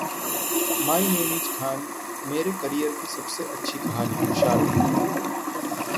‘my name is Khan’ मेरे career की सबसे अच्छी कहानी: शाहरुख